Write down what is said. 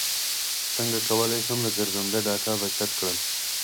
څنګه کولی شم د ګرځنده ډاټا بچت کړم